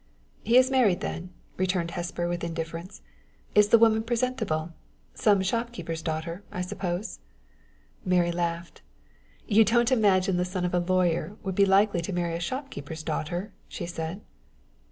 "He is married, then?" returned Hesper with indifference. "Is the woman presentable? Some shopkeeper's daughter, I suppose!" Mary laughed. "You don't imagine the son of a lawyer would be likely to marry a shopkeeper's daughter!" she said.